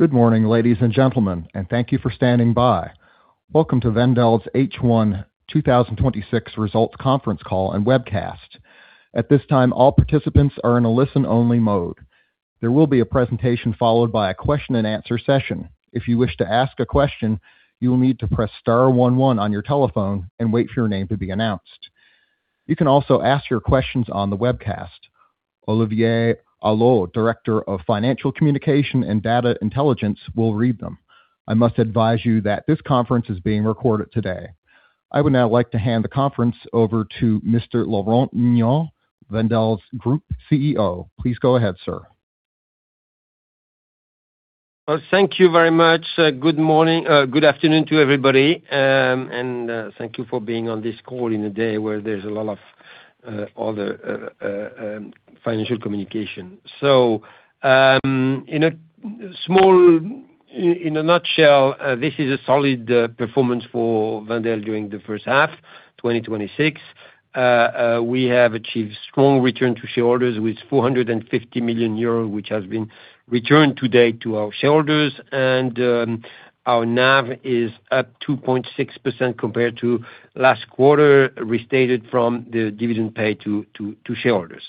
Good morning, ladies and gentlemen, and thank you for standing by. Welcome to Wendel's H1 2026 results conference call and webcast. At this time, all participants are in a listen-only mode. There will be a presentation followed by a question and answer session. If you wish to ask a question, you will need to press star one one on your telephone and wait for your name to be announced. You can also ask your questions on the webcast. Olivier Allot, Director of Financial Communication and Data Intelligence, will read them. I must advise you that this conference is being recorded today. I would now like to hand the conference over to Mr. Laurent Mignon, Wendel's Group CEO. Please go ahead, sir. Well, thank you very much. Good afternoon to everybody. Thank you for being on this call in a day where there's a lot of other financial communication. In a nutshell, this is a solid performance for Wendel during the first half 2026. We have achieved strong return to shareholders with 450 million euros, which has been returned to date to our shareholders. Our NAV is up 2.6% compared to last quarter, restated from the dividend paid to shareholders.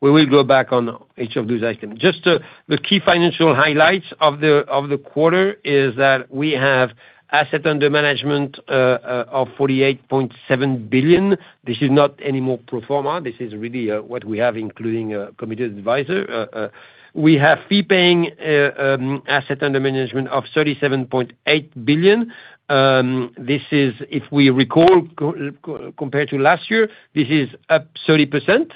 We will go back on each of those items. Just the key financial highlights of the quarter is that we have assets under management of 48.7 billion. This is not any more pro forma. This is really what we have, including Committed Advisors. We have fee-paying asset under management of 37.8 billion. This is, if we recall, compared to last year, this is up 30%.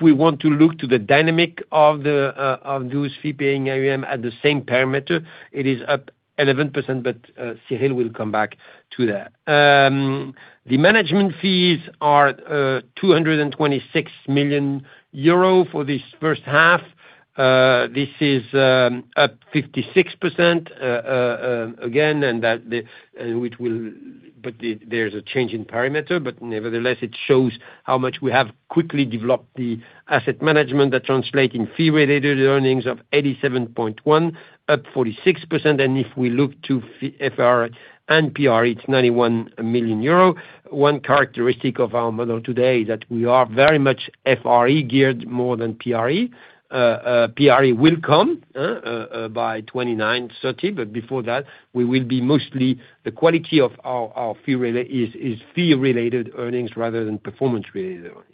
We want to look to the dynamic of those fee-paying AUM at the same parameter, it is up 11%. Cyril will come back to that. The management fees are 226 million euro for this first half. This is up 56% again. There's a change in parameter. Nevertheless, it shows how much we have quickly developed the asset management that translate in Fee-Related Earnings of 87.1 million, up 46%. If we look to FRE and PRE, it's 91 million euro. One characteristic of our model today that we are very much FRE-geared more than PRE. PRE will come by 2029, 2030, but before that we will be mostly the quality is Fee-Related Earnings rather than Performance-Related Earnings.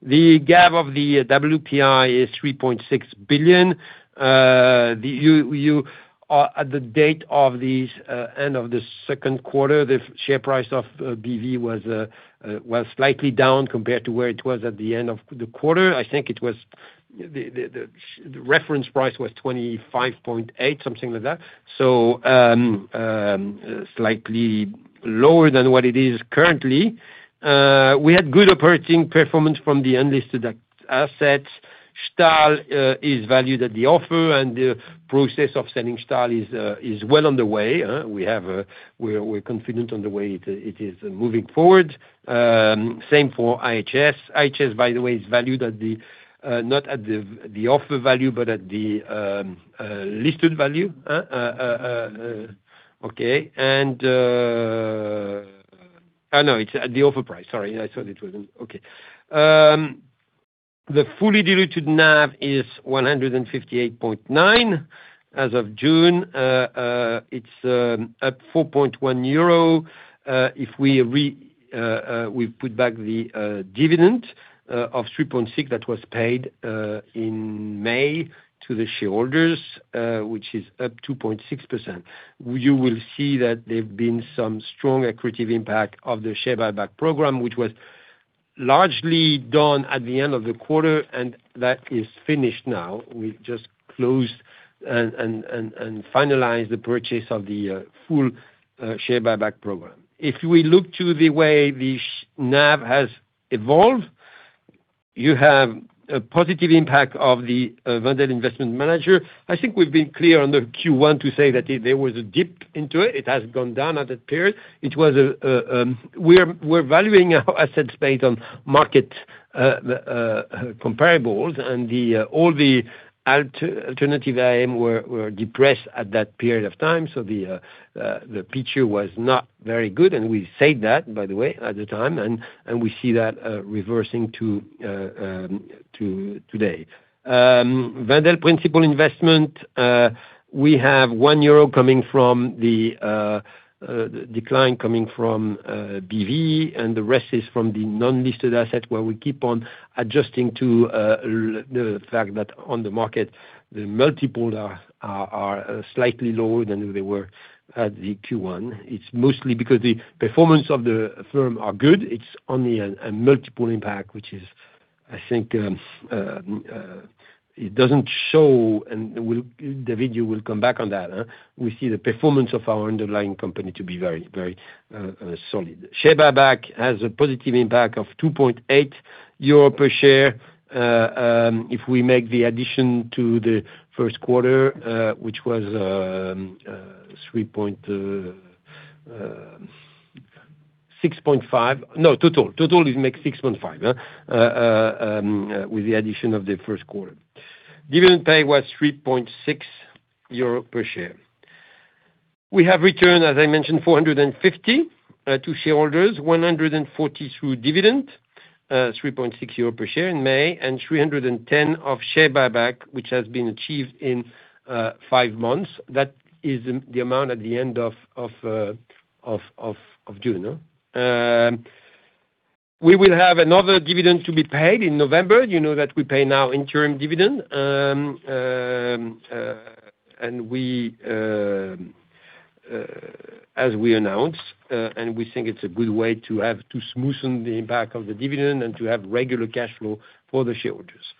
The GAAP of the WPI is 3.6 billion. At the date of the end of the second quarter, the share price of BV was slightly down compared to where it was at the end of the quarter. I think the reference price was 25.8, something like that. Slightly lower than what it is currently. We had good operating performance from the unlisted assets. Stahl is valued at the offer and the process of selling Stahl is well on the way. We're confident on the way it is moving forward. Same for IHS. IHS, by the way, is valued not at the offer value, but at the listed value. Okay. No, it's at the offer price. Sorry. Okay. The fully diluted NAV is 158.9 as of June. It's up 4.1 euro. If we put back the dividend of 3.6 that was paid in May to the shareholders, which is up 2.6%. You will see that there have been some strong accretive impact of the share buyback program, which was largely done at the end of the quarter, and that is finished now. We've just closed and finalized the purchase of the full share buyback program. If we look to the way the NAV has evolved, you have a positive impact of the Wendel Investment Managers. I think we've been clear on the Q1 to say that there was a dip into it. It has gone down at that period. We're valuing our assets based on market comparables, and all the alternative AUM were depressed at that period of time. The picture was not very good, and we said that, by the way, at the time, and we see that reversing today. Wendel Principal Investments, we have 1 euro coming from the decline coming from BV, and the rest is from the non-listed asset, where we keep on adjusting to the fact that on the market, the multiple are slightly lower than they were at the Q1. It's mostly because the performance of the firm are good. It's only a multiple impact, which is, I think, it doesn't show, and David will come back on that. We see the performance of our underlying company to be very solid. Share buyback has a positive impact of 2.8 euro per share. If we make the addition to the first quarter, which was 6.5. No, total is make 6.5, with the addition of the first quarter. Dividend pay was 3.6 euro per share. We have returned, as I mentioned, 450 million to shareholders, 140 million through dividend, 3.6 euro per share in May, and 310 million of share buyback, which has been achieved in five months. That is the amount at the end of June. We will have another dividend to be paid in November. You know that we pay now interim dividend, as we announced, and we think it's a good way to smoothen the impact of the dividend and to have regular cash flow for the shareholders.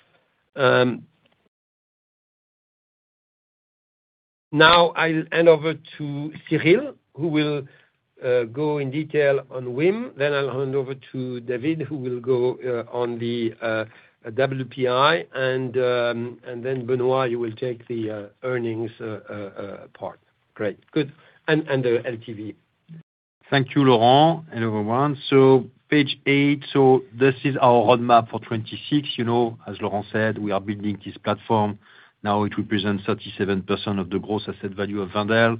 I'll hand over to Cyril, who will go in detail on WIM, then I'll hand over to David, who will go on the WPI, and then Benoît, you will take the earnings part. Great. Good. The LTV. Thank you, Laurent. Hello, everyone. Page eight, this is our roadmap for 2026. As Laurent said, we are building this platform. It represents 37% of the gross asset value of Wendel.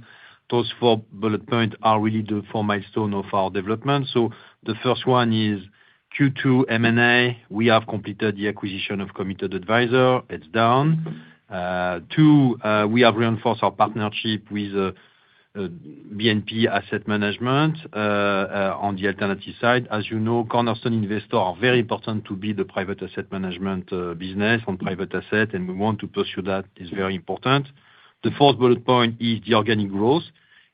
Those four bullet points are really the four milestones of our development. The first one is Q2 M&A. We have completed the acquisition of Committed Advisors. It's done. Two, we have reinforced our partnership with BNP Paribas Asset Management on the alternative side. As you know, cornerstone investors are very important to build the private asset management business on private assets, and we want to pursue that. It's very important. The fourth bullet point is the organic growth.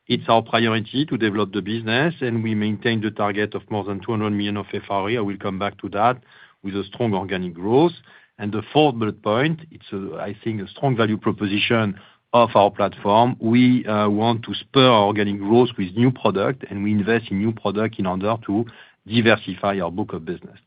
It's our priority to develop the business, and we maintain the target of more than 200 million of FRE. I will come back to that with a strong organic growth. The fourth bullet point, it's, I think, a strong value proposition of our platform. We want to spur our organic growth with new product, and we invest in new product in order to diversify our book of business.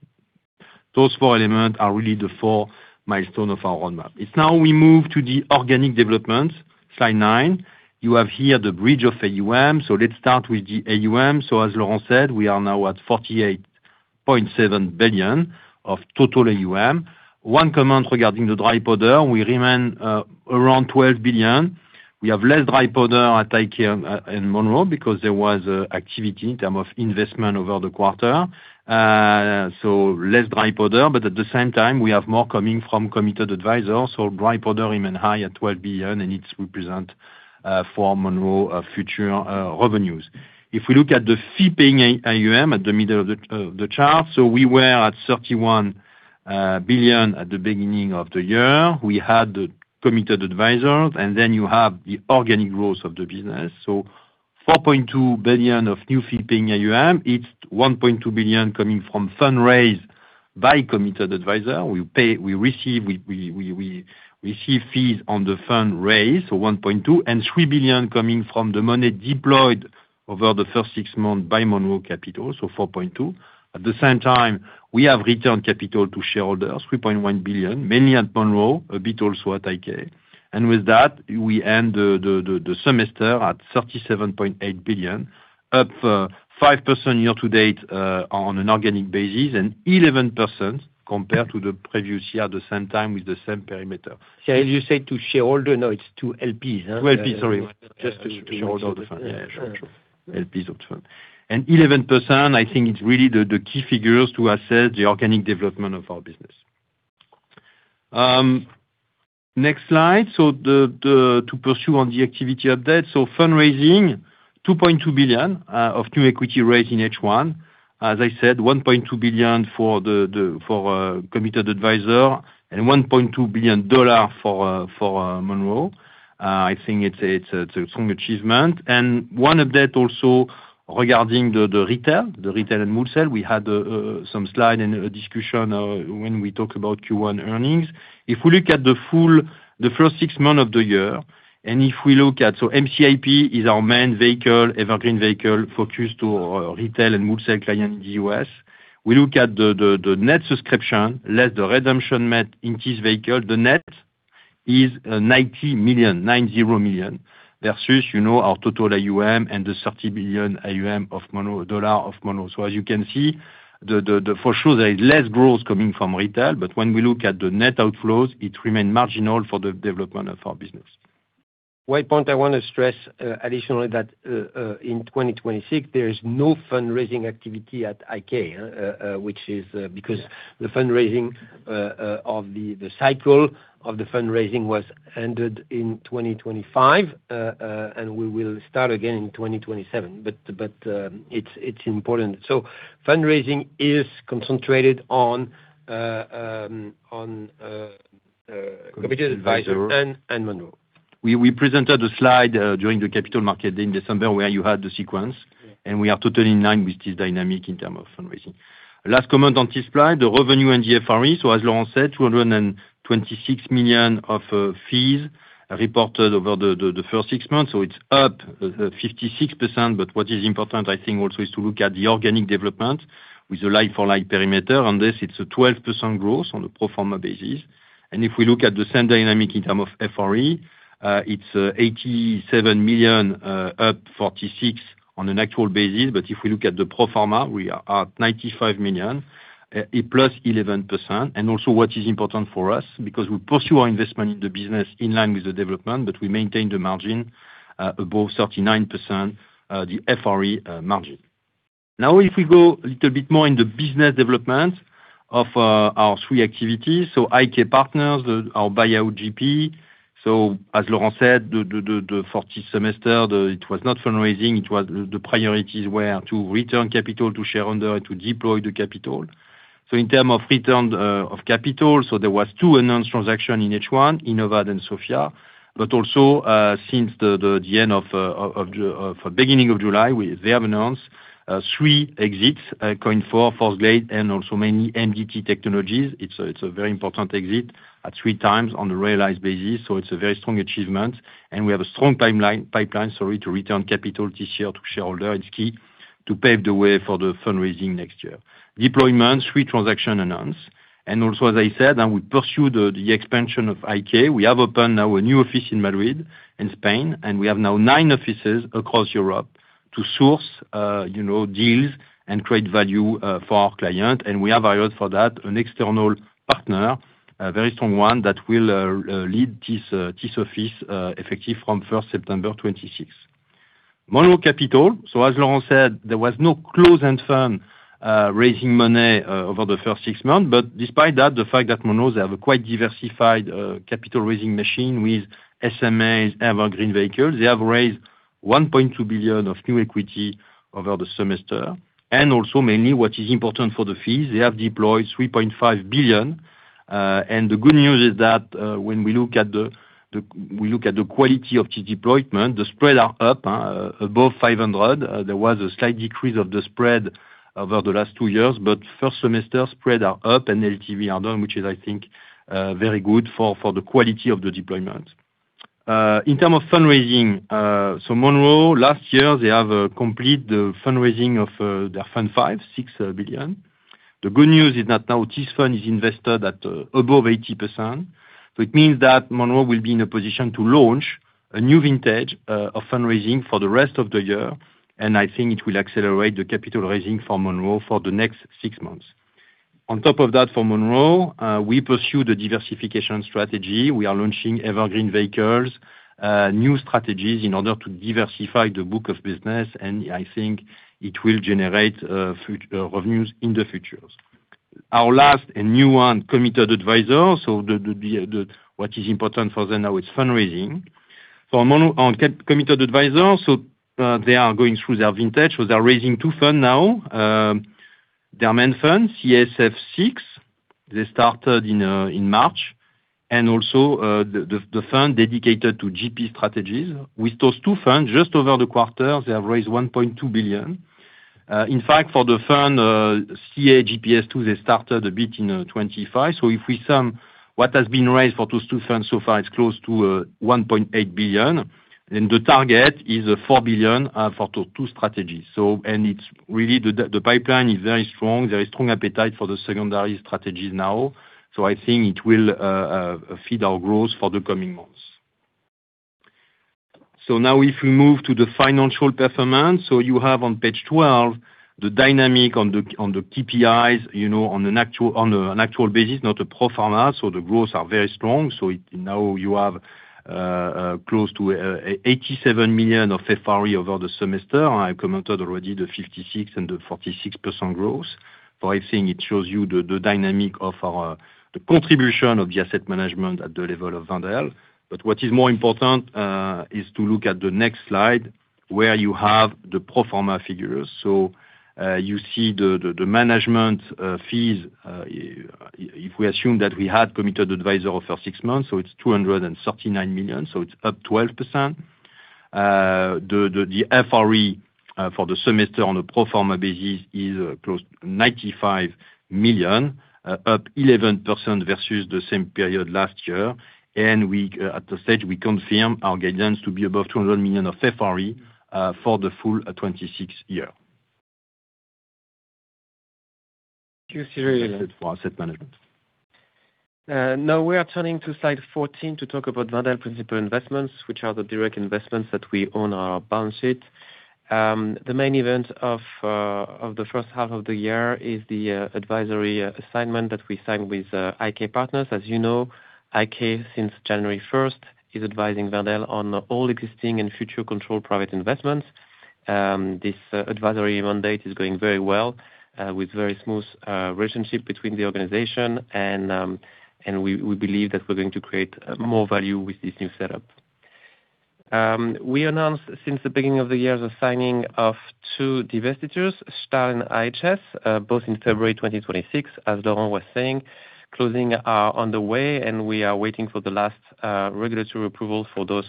Those four elements are really the four milestones of our roadmap. It's now we move to the organic development, slide nine. You have here the bridge of AUM. Let's start with the AUM. As Laurent said, we are now at 48.7 billion of total AUM. One comment regarding the dry powder, we remain around 12 billion. We have less dry powder at IK and Monroe because there was activity in terms of investment over the quarter. Less dry powder, but at the same time, we have more coming from Committed Advisors. Dry powder remains high at 12 billion, and it represents four Monroe future revenues. If we look at the fee-paying AUM at the middle of the chart, we were at 31 billion at the beginning of the year. We had the Committed Advisors, then you have the organic growth of the business. 4.2 billion of new fee-paying AUM. It's 1.2 billion coming from funds raised by Committed Advisors. We receive fees on the fund raised, 1.2, and 3 billion coming from the money deployed over the first six months by Monroe Capital, 4.2 billion. At the same time, we have returned capital to shareholders, 3.1 billion, mainly at Monroe, a bit also at IK. With that, we end the semester at 37.8 billion, up 5% year-to-date on an organic basis, and 11% compared to the previous year at the same time with the same perimeter. Cyril, you say to shareholder, no, it's to LPs. To LPs, sorry. Just to be clear. Shareholders of fund, yeah, sure. LPs of fund. 11%, I think it's really the key figures to assess the organic development of our business. Next slide. To pursue on the activity update. Fundraising, 2.2 billion of new equity raised in H1. As I said, 1.2 billion for Committed Advisors and $1.2 billion for Monroe. I think it's a strong achievement. One update also regarding the retail and wholesale. We had some slide and discussion when we talk about Q1 earnings. If we look at the first six months of the year, and if we look at, MCIP is our main vehicle, evergreen vehicle, focused to retail and wholesale clients in the U.S. We look at the net subscription, less the redemption met in this vehicle, the net is $90 million, versus our total AUM and the $30 billion AUM of Monroe. As you can see, for sure, there is less growth coming from retail, but when we look at the net outflows, it remains marginal for the development of our business. One point I want to stress additionally that in 2026, there is no fundraising activity at IK, which is because the cycle of the fundraising was ended in 2025, and we will start again in 2027. It's important. Fundraising is concentrated on- Committed Advisors. Committed Advisors and Monroe. We presented a slide during the capital market in December where you had the sequence. We are totally in line with this dynamic in terms of fundraising. Last comment on this slide, the revenue and the FRE. As Laurent said, 226 million of fees reported over the first six months, it's up 56%. What is important, I think, also is to look at the organic development with a like-for-like perimeter. On this, it's a 12% growth on a pro forma basis. If we look at the same dynamic in terms of FRE, it's 87 million up 46% on an actual basis. If we look at the pro forma, we are at 95 million, a plus 11%. Also what is important for us, because we pursue our investment in the business in line with the development, we maintain the margin above 39%, the FRE margin. If we go a little bit more in the business development of our three activities. IK Partners, our buyout BNP. As Laurent said, the fourth semester, it was not fundraising. The priorities were to return capital to shareholder and to deploy the capital. In term of return of capital, there was two announced transaction in H1, Innovad and Sofia. Also since the beginning of July, they have announced three exits, Coin4 Solutions, Forthglade, and also MDT technologies. It's a very important exit at three times on a realized basis, it's a very strong achievement, we have a strong pipeline to return capital this year to shareholder. It's key to pave the way for the fundraising next year. Deployment, three transactions announced. As I said, we pursue the expansion of IK. We have opened our new office in Madrid, in Spain, and we have now nine offices across Europe to source deals and create value for our client. We have hired for that an external partner, a very strong one that will lead this office effective from September 1, 2026. Monroe Capital. As Laurent said, there was no close and fundraising money over the first six months. Despite that, the fact that Monroe, they have a quite diversified capital raising machine with SMAs, evergreen vehicles. They have raised 1.2 billion of new equity over the semester. Also mainly what is important for the fees, they have deployed 3.5 billion. The good news is that when we look at the quality of the deployment, the spreads are up above 500 basis points. There was a slight decrease of the spreads over the last two years, but first semester spreads are up and LTV are down, which is, I think, very good for the quality of the deployment. In terms of fundraising, Monroe last year, they have a complete fundraising of their fund 5 billion-6 billion. The good news is that now this fund is invested at above 80%, it means that Monroe will be in a position to launch a new vintage of fundraising for the rest of the year, and I think it will accelerate the capital raising for Monroe for the next six months. On top of that, for Monroe, we pursue the diversification strategy. We are launching evergreen vehicles, new strategies in order to diversify the book of business, and I think it will generate revenues in the future. Our last and new one, Committed Advisors. What is important for them now is fundraising. Committed Advisors, they are going through their vintage. They are raising two funds now. Their main fund, CASF VI, they started in March. Also the fund dedicated to GP strategies. With those two funds, just over the quarter, they have raised 1.2 billion. In fact, for the fund CAGPS II, they started a bit in 2025. If we sum what has been raised for those two funds so far, it's close to 1.8 billion, and the target is 4 billion for those two strategies. The pipeline is very strong. Very strong appetite for the secondary strategies now. I think it will feed our growth for the coming months. Now if we move to the financial performance. You have on page 12 the dynamic on the KPIs, on an actual basis, not a pro forma. The growths are very strong. Now you have close to 87 million of FRE over the semester. I commented already the 56% and the 46% growth. I think it shows you the dynamic of the contribution of the asset management at the level of Wendel. What is more important is to look at the next slide where you have the pro forma figures. You see the management fees. If we assume that we had Committed Advisors for six months, it's 239 million, it's up 12%. The FRE for the semester on a pro forma basis is close to 95 million, up 11% versus the same period last year. At the stage we confirm our guidance to be above 200 million of FRE for the full 2026 year. Thank you, Cyril. That's it for asset management. We are turning to slide 14 to talk about Wendel Principal Investments, which are the direct investments that we own on our balance sheet. The main event of the first half of the year is the advisory assignment that we signed with IK Partners. As you know, IK, since January 1st, is advising Wendel on all existing and future controlled private investments. This advisory mandate is going very well with very smooth relationship between the organization. We believe that we're going to create more value with this new setup. We announced since the beginning of the year the signing of two divestitures, Stahl and IHS, both in February 2026, as Laurent was saying. Closing are on the way, and we are waiting for the last regulatory approval for those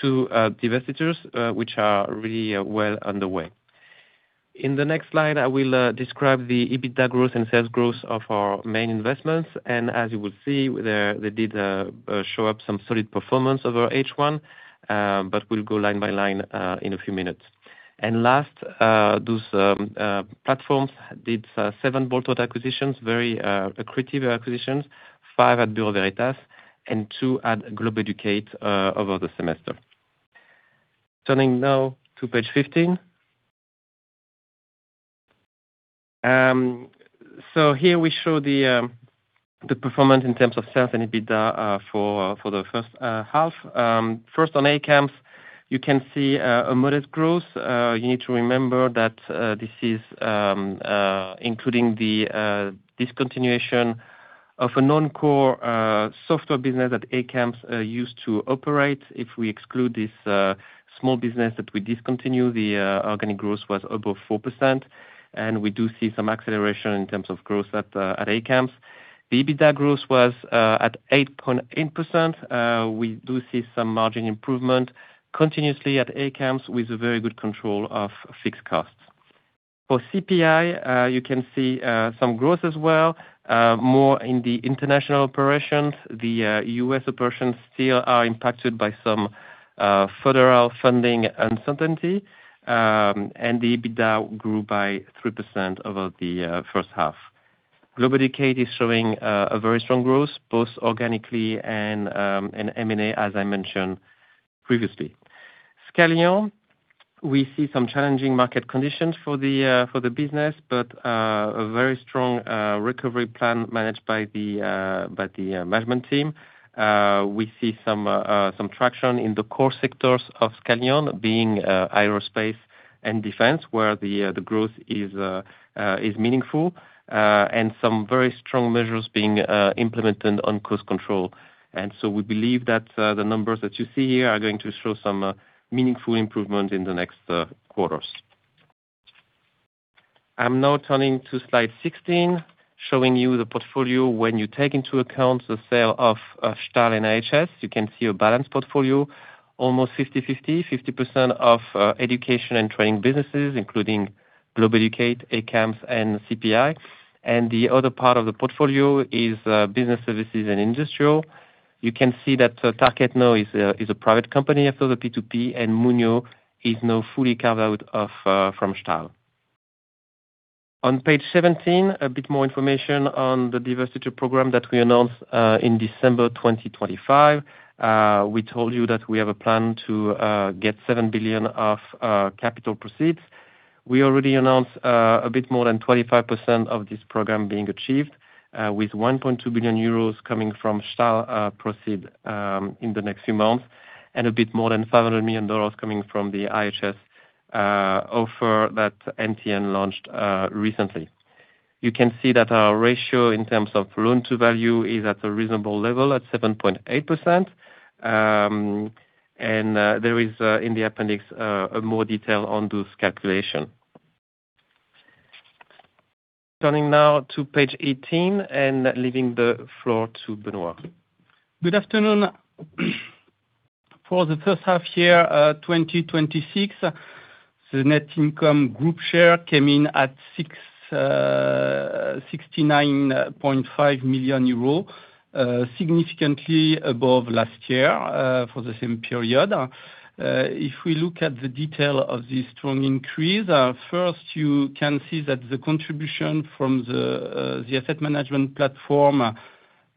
two divestitures, which are really well underway. In the next slide, I will describe the EBITDA growth and sales growth of our main investments. As you will see, they did show up some solid performance over H1. We'll go line by line in a few minutes. Last, those platforms did seven bolt-on acquisitions, very accretive acquisitions. Five at Bureau Veritas and two at Globeducate over the semester. Turning now to page 15. Here we show the performance in terms of sales and EBITDA for the first half. First on ACAMS, you can see a modest growth. You need to remember that this is including the discontinuation of a non-core software business that ACAMS used to operate. If we exclude this small business that we discontinued, the organic growth was above 4%, and we do see some acceleration in terms of growth at ACAMS. The EBITDA growth was at 8.8%. We do see some margin improvement continuously at ACAMS with very good control of fixed costs. For CPI, you can see some growth as well, more in the international operations. The U.S. operations still are impacted by some federal funding uncertainty, the EBITDA grew by 3% over the first half. Globeducate is showing a very strong growth, both organically and in M&A, as I mentioned previously. Scalian, we see some challenging market conditions for the business, a very strong recovery plan managed by the management team. We see some traction in the core sectors of Scalian being aerospace and defense, where the growth is meaningful, some very strong measures being implemented on cost control. We believe that the numbers that you see here are going to show some meaningful improvement in the next quarters. I'm now turning to slide 16, showing you the portfolio. When you take into account the sale of Stahl and IHS, you can see a balanced portfolio, almost 50/50. 50% of education and training businesses, including Globeducate, ACAMS and CPI. The other part of the portfolio is business services and industrial. You can see that Tarkett now is a private company after the P2P, Muno is now fully carved out from Stahl. On page 17, a bit more information on the divestiture program that we announced in December 2025. We told you that we have a plan to get 7 billion of capital proceed. We already announced a bit more than 25% of this program being achieved, with 1.2 billion euros coming from Stahl proceed in the next few months, a bit more than $500 million coming from the IHS offer that MTN launched recently. You can see that our ratio in terms of loan to value is at a reasonable level at 7.8%. There is in the appendix, more detail on this calculation. Turning now to page 18 and leaving the floor to Benoît. Good afternoon. For the first half year 2026, the net income group share came in at 69.5 million euros, significantly above last year for the same period. If we look at the detail of this strong increase, first you can see that the contribution from the asset management platform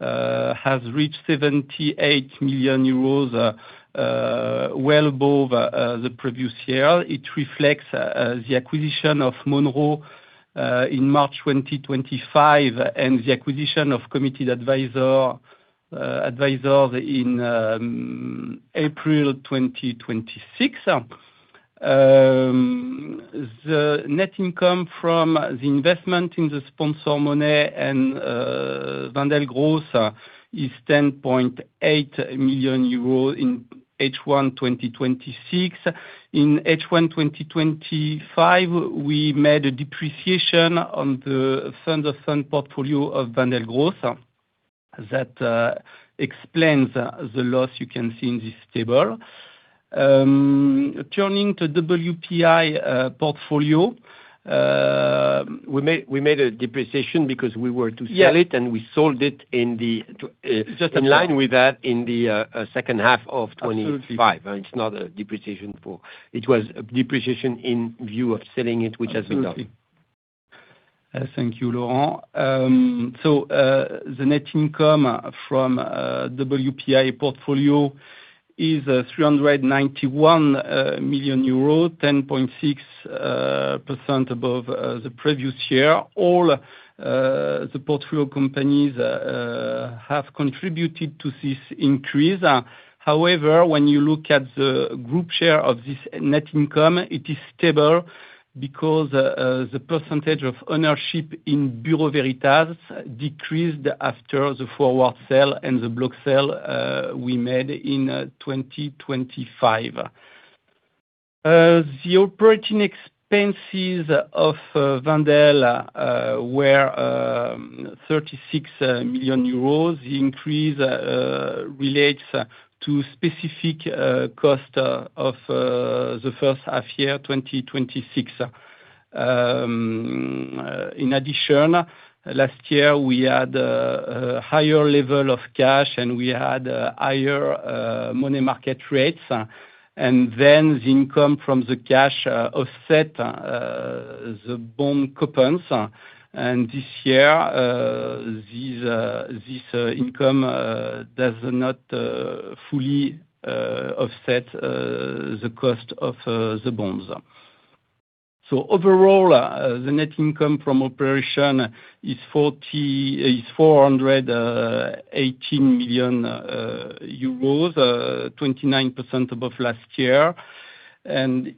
has reached 78 million euros, well above the previous year. It reflects the acquisition of Monroe in March 2025 and the acquisition of Committed Advisors in April 2026. The net income from the investment in the Sponsor Money and Wendel Growth is 10.8 million euros in H1 2026. In H1 2025, we made a depreciation on the fund of fund portfolio of Wendel Growth. That explains the loss you can see in this table. Turning to WPI portfolio. We made a depreciation because we were to sell it, and we sold it in line with that in the second half of 2025. Absolutely. It was depreciation in view of selling it, which has been done. Absolutely. Thank you, Laurent. The net income from WPI portfolio is EUR 391 million, 10.6% above the previous year. All the portfolio companies have contributed to this increase. However, when you look at the group share of this net income, it is stable because the percentage of ownership in Bureau Veritas decreased after the forward sale and the block sale we made in 2025. The operating expenses of Wendel were 36 million euros. The increase relates to specific cost of the first half year 2026. In addition, last year we had a higher level of cash and we had higher money market rates, and then the income from the cash offset the bond coupons. This year, this income does not fully offset the cost of the bonds. Overall, the net income from operation is 418 million euros, 29% above last year. Group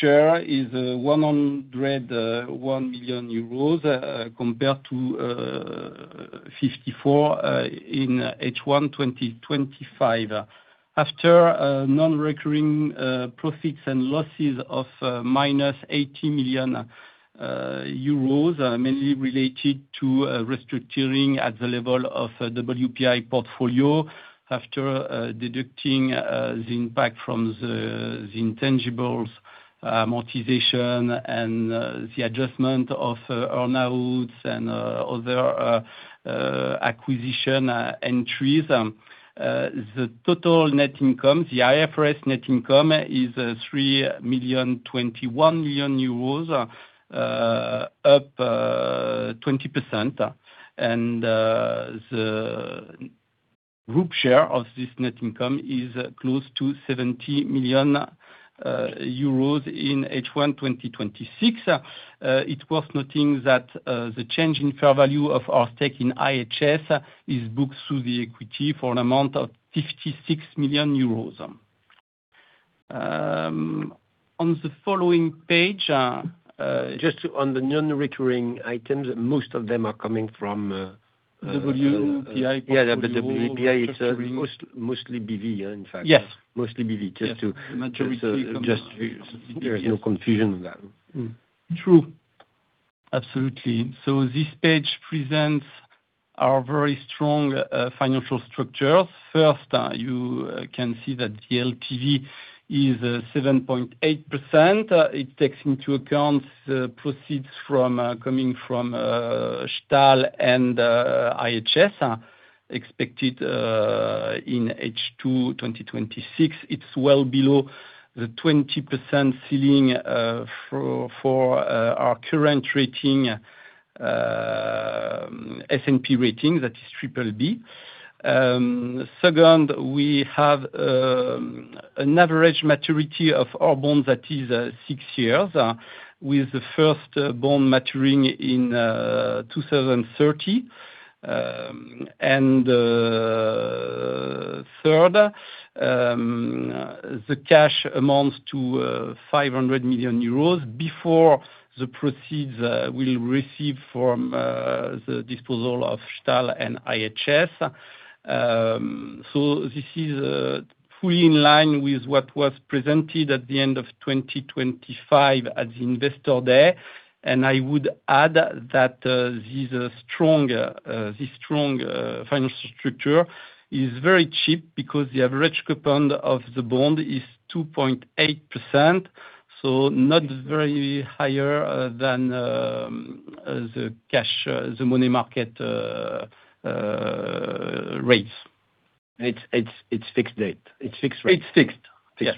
share is 101 million euros, compared to EUR 54 in H1 2025. After non-recurring profits and losses of minus 80 million euros, mainly related to restructuring at the level of WPI portfolio. After deducting the impact from the intangibles amortization and the adjustment of earnouts and other acquisition entries, the total net income, the IFRS net income is 321 million, up 20%. The group share of this net income is close to 70 million euros in H1 2026. It's worth noting that the change in fair value of our stake in IHS is booked through the equity for an amount of 56 million euros. On the following page- Just on the non-recurring items, most of them are coming from- WPI portfolio. Yeah, the WPI is mostly BV, in fact. Yes. Mostly BV. Yes. The maturity comes due. Just so there's no confusion on that. True. Absolutely. This page presents our very strong financial structure. First, you can see that the LTV is 7.8%. It takes into account the proceeds coming from Stahl and IHS expected in H2 2026. It's well below the 20% ceiling for our current S&P rating, that is BBB. Second, we have an average maturity of our bonds that is six years, with the first bond maturing in 2030. Third, the cash amounts to 500 million euros before the proceeds we receive from the disposal of Stahl and IHS. This is fully in line with what was presented at the end of 2025 at the Investor Day. I would add that this strong financial structure is very cheap because the average coupon of the bond is 2.8%, not very higher than the money market rates. It's fixed rate. It's fixed. Fixed rate. Yes.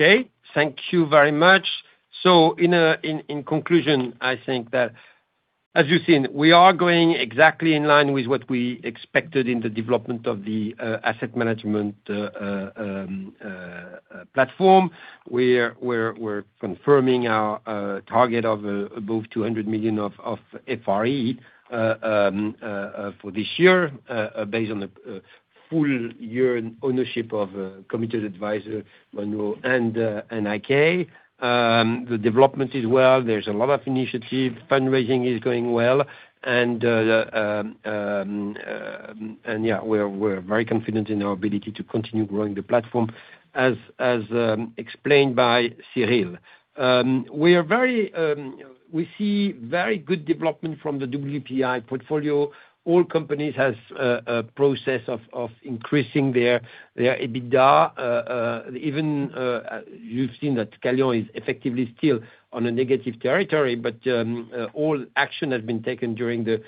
Okay. Thank you very much. In conclusion, I think that as you've seen, we are going exactly in line with what we expected in the development of the asset management platform. We're confirming our target of above 200 million of FRE for this year, based on the full year ownership of Committed Advisors, Monroe, and IK. The development is well. There's a lot of initiatives. Fundraising is going well. Yeah, we're very confident in our ability to continue growing the platform, as explained by Cyril. We see very good development from the WPI portfolio. All companies have a process of increasing their EBITDA. Even you've seen that Scalian is effectively still on a negative territory, but all action has been taken during the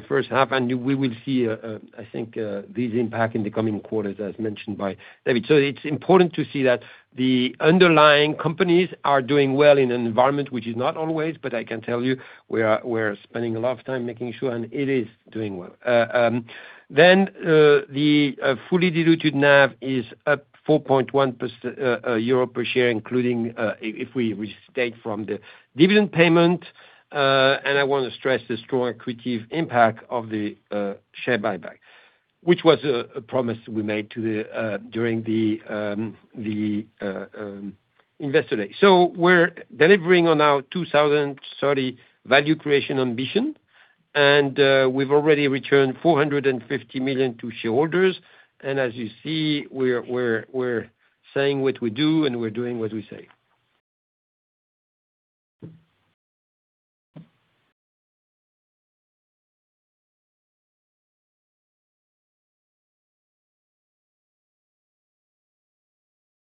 first half, and we will see, I think, this impact in the coming quarters, as mentioned by David. It's important to see that the underlying companies are doing well in an environment, which is not always. I can tell you, we're spending a lot of time making sure, and it is doing well. The fully diluted NAV is up 4.1 euro per share, including if we restate from the dividend payment. I want to stress the strong creative impact of the share buyback, which was a promise we made during the Investor Day. We're delivering on our 2030 value creation ambition, and we've already returned 450 million to shareholders. As you see, we're saying what we do, and we're doing what we say.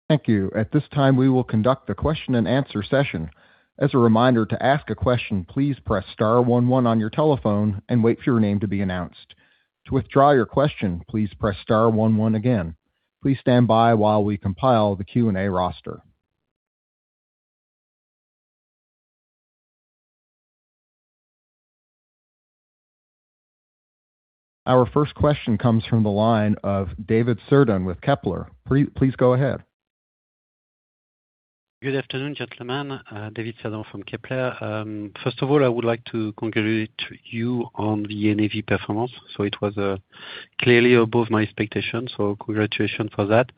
Thank you. At this time, we will conduct a question and answer session. As a reminder, to ask a question, please press star one one on your telephone and wait for your name to be announced. To withdraw your question, please press star one one again. Please stand by while we compile the Q&A roster. Our first question comes from the line of David Cerdan with Kepler. Please go ahead. Good afternoon, gentlemen. David Cerdan from Kepler. First of all, I would like to congratulate you on the NAV performance. It was clearly above my expectations, so congratulations for that.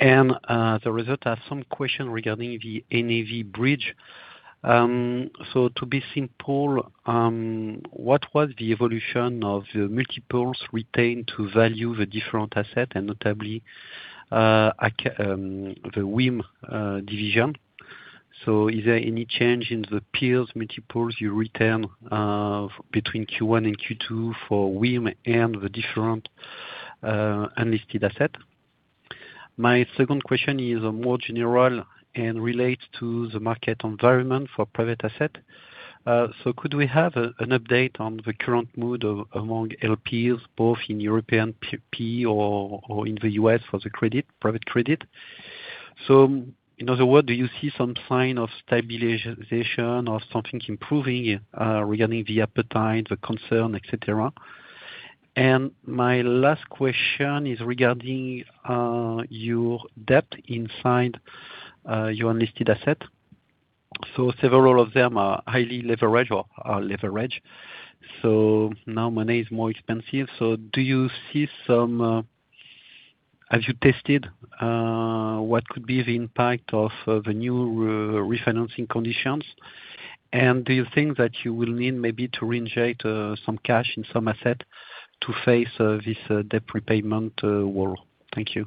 As a result, I have some question regarding the NAV bridge. To be simple, what was the evolution of the multiples retained to value the different asset and notably, the WIM division. Is there any change in the peers multiples you return between Q1 and Q2 for WIM and the different unlisted asset? My second question is more general and relates to the market environment for private asset. Could we have an update on the current mood among LPs, both in European PE or in the U.S. for the private credit? In other words, do you see some sign of stabilization or something improving, regarding the appetite, the concern, et cetera? My last question is regarding your debt inside your unlisted asset. Several of them are highly leveraged or are leveraged. Now money is more expensive. Have you tested what could be the impact of the new refinancing conditions? Do you think that you will need maybe to reinject some cash in some asset to face this debt repayment war? Thank you.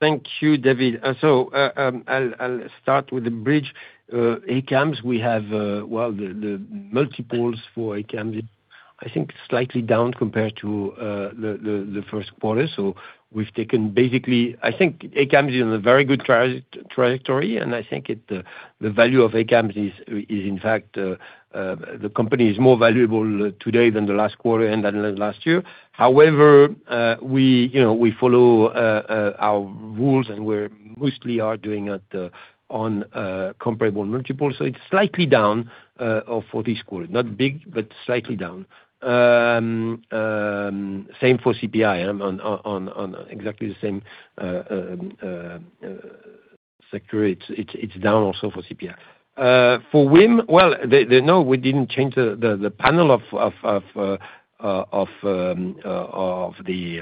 Thank you, David. I'll start with the bridge. ACAMS. The multiples for ACAMS, I think slightly down compared to the first quarter. I think ACAMS is in a very good trajectory, and I think the value of ACAMS is in fact, the company is more valuable today than the last quarter and than the last year. However, we follow our rules, and we're mostly are doing it on comparable multiples. It's slightly down for this quarter. Not big, but slightly down. Same for CPI. On exactly the same sector. It's down also for CPI. For WIM, we didn't change the panel of the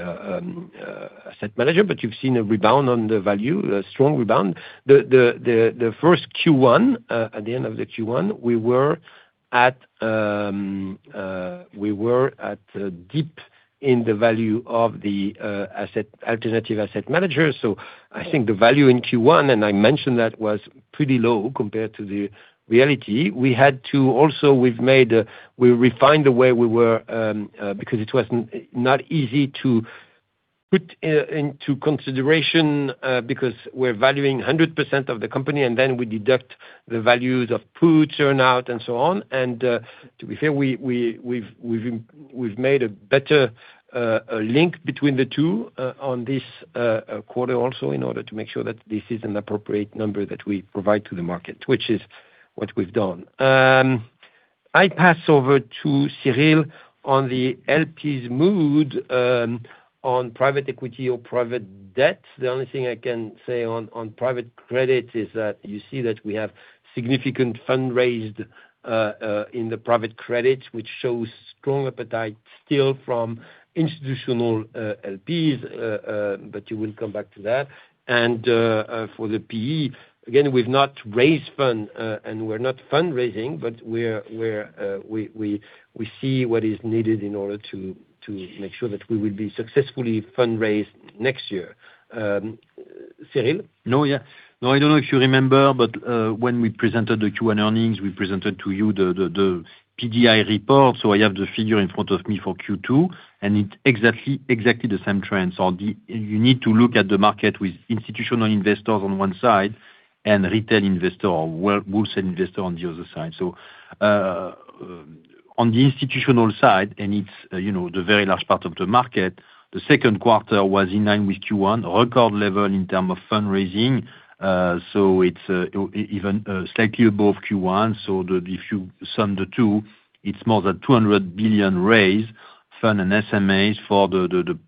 asset manager, but you've seen a rebound on the value, a strong rebound. The first Q1, at the end of the Q1, we were at dip in the value of the alternative asset manager. I think the value in Q1, and I mentioned that was pretty low compared to the reality. We refined the way we were, because it was not easy to put into consideration, because we're valuing 100% of the company, and then we deduct the values of put, turnout, and so on. To be fair, we've made a better link between the two on this quarter also in order to make sure that this is an appropriate number that we provide to the market, which is what we've done. I pass over to Cyril on the LPs mood, on private equity or private debt. The only thing I can say on private credit is that you see that we have significant fund raised in the private credit, which shows strong appetite still from institutional LPs, but you will come back to that. For the PE, again, we've not raised fund, and we're not fundraising, but we see what is needed in order to make sure that we will be successfully fundraised next year. Cyril? I don't know if you remember, but when we presented the Q1 earnings, we presented to you the PEI report. I have the figure in front of me for Q2, and it's exactly the same trend. You need to look at the market with institutional investors on one side and retail investor, or wholesale investor on the other side. On the institutional side, it's the very large part of the market, the second quarter was in line with Q1. Record level in term of fundraising. It's even slightly above Q1. If you sum the two, it's more than 200 billion raised, fund and SMAs for the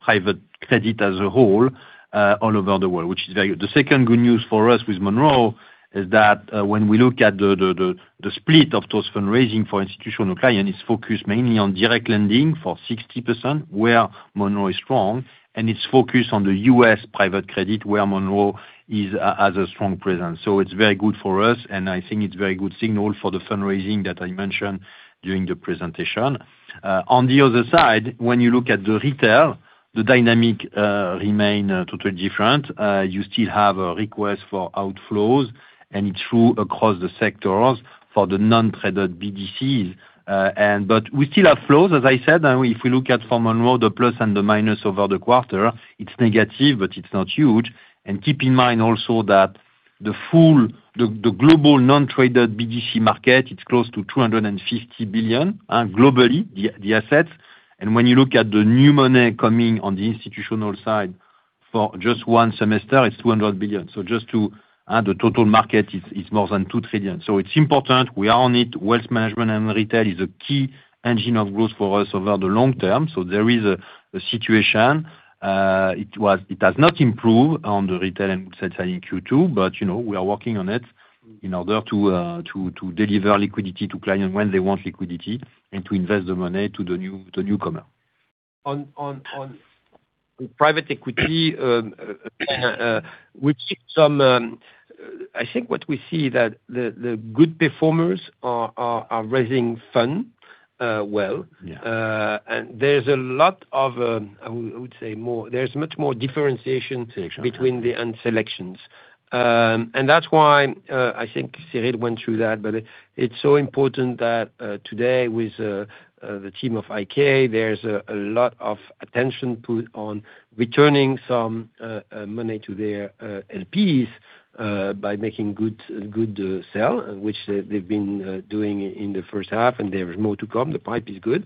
private credit as a whole, all over the world, which is very good. The second good news for us with Monroe is that, when we look at the split of those fundraising for institutional client, it's focused mainly on direct lending for 60%, where Monroe is strong, and it's focused on the U.S. private credit, where Monroe has a strong presence. It's very good for us, and I think it's very good signal for the fundraising that I mentioned during the presentation. On the other side, when you look at the retail, the dynamic remain totally different. You still have a request for outflows, and it's true across the sectors for the non-traded BDCs. We still have flows, as I said, and if we look at from Monroe, the plus and the minus over the quarter, it's negative, but it's not huge. Keep in mind also that the global non-traded BDC market, it's close to 250 billion, globally, the assets. When you look at the new money coming on the institutional side, for just one semester, it's 200 billion. Just to add, the total market is more than 2 trillion. It's important. We are on it. Wealth management and retail is a key engine of growth for us over the long term. There is a situation. It does not improve on the retail and wholesale in Q2, but we are working on it in order to deliver liquidity to clients when they want liquidity and to invest the money to the newcomer. On private equity, I think what we see that the good performers are raising funds well. Yeah. There's much more differentiation between the fund selections. That's why, I think Cyril went through that, but it's so important that today with the team of IK, there's a lot of attention put on returning some money to their LPs by making good sale, which they've been doing in the first half, and there is more to come. The pipe is good.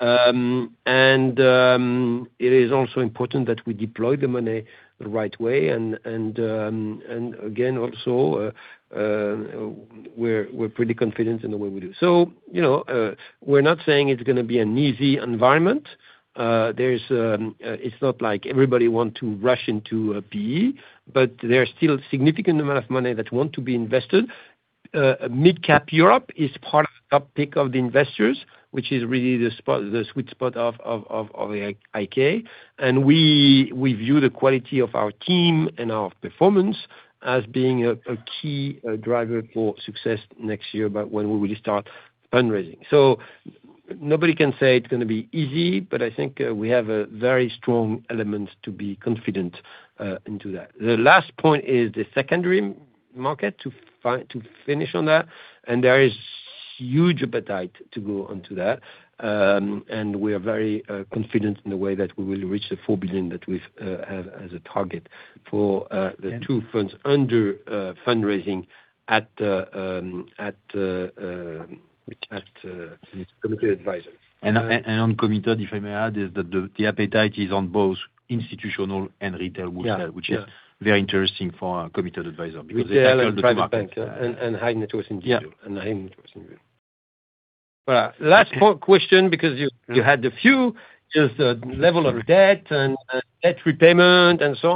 It is also important that we deploy the money the right way. Again, also, we're pretty confident in the way we do. We're not saying it's going to be an easy environment. It's not like everybody want to rush into a PE, but there are still significant amount of money that want to be invested. Mid-cap Europe is part of the top pick of the investors, which is really the sweet spot of IK. We view the quality of our team and our performance as being a key driver for success next year about when we will start fundraising. Nobody can say it's going to be easy, but I think we have a very strong element to be confident into that. The last point is the secondary market, to finish on that. There is huge appetite to go onto that. We are very confident in the way that we will reach the 4 billion that we've as a target for the two funds under fundraising at Committed Advisors. On Committed, if I may add, is that the appetite is on both institutional and retail- Yeah which is very interesting for our Committed Advisors because- Retail and private banker and high net worth individual. Yeah. High net worth individual. Last question, because you had a few, just the level of debt and debt repayment and so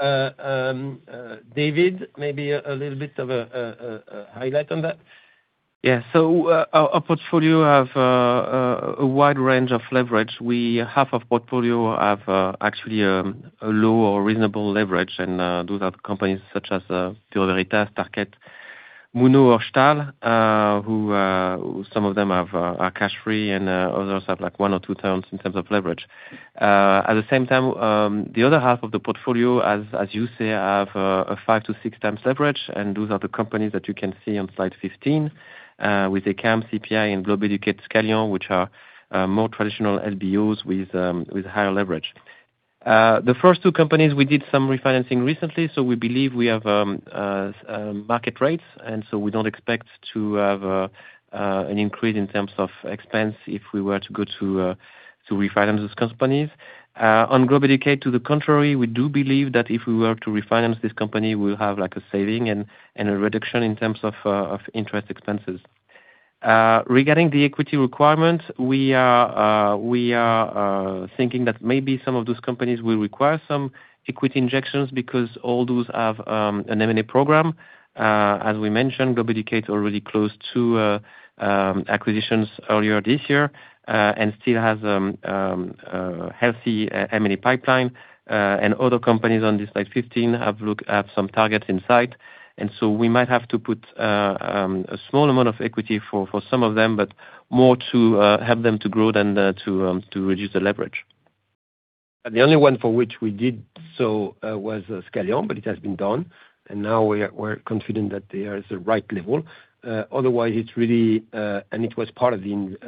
on. David, maybe a little bit of a highlight on that. Our portfolio have a wide range of leverage. Half of portfolio have actually a low or reasonable leverage. Those are companies such as Bureau Veritas, Tarkett, Muno or Stahl, who some of them are cash free and others have one or two turns in terms of leverage. The other half of the portfolio, as you say, have a five to six times leverage, those are the companies that you can see on slide 15, with ACAMS, CPI, Globeducate, Scalian, which are more traditional LBOs with higher leverage. The first two companies, we did some refinancing recently, we believe we have market rates, we don't expect to have an increase in terms of expense if we were to go to refinance those companies. On Globeducate, to the contrary, we do believe that if we were to refinance this company, we'll have a saving and a reduction in terms of interest expenses. Regarding the equity requirement, we are thinking that maybe some of those companies will require some equity injections because all those have an M&A program. As we mentioned, Globeducate already closed two acquisitions earlier this year, still has healthy M&A pipeline. Other companies on this slide 15 have some targets in sight. We might have to put a small amount of equity for some of them, but more to help them to grow than to reduce the leverage. The only one for which we did so was Scalian, but it has been done. Now we're confident that there is a right level. Otherwise, it was part of the,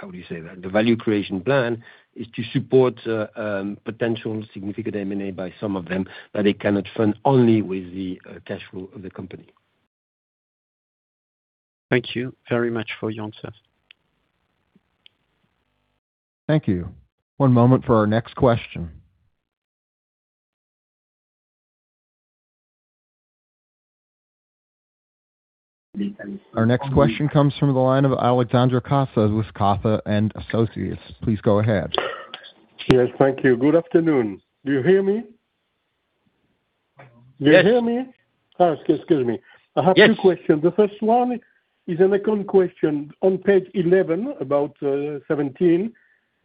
how do you say that? The value creation plan is to support potential significant M&A by some of them, that they cannot fund only with the cash flow of the company. Thank you very much for your answer. Thank you. One moment for our next question. Our next question comes from the line of Alexandre Kafa with Kafa and Associates. Please go ahead. Yes. Thank you. Good afternoon. Do you hear me? Yes. Do you hear me? Excuse me. Yes. I have two questions. The first one is an account question. On page 11, about 17,